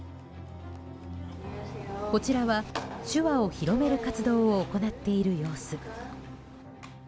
こちらは手話を広げる活動を行っている様子。